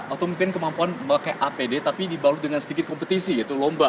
atau mungkin kemampuan memakai apd tapi dibalut dengan sedikit kompetisi yaitu lomba